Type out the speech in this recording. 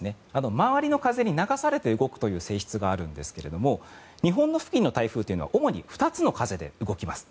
周りの風に流されて動くという性質があるんですけれども日本付近の台風というのは主に２つの風で動きます。